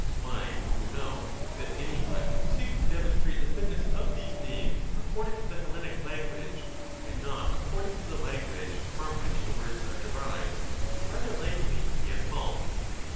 Why, you know that any one who seeks to demon strate the fitness of these names according to the Hellenic language, and not according to the language from which the words are derived, is rather hkely to be at fault.